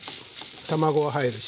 卵が入るし。